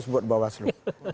seratus buat bawaslu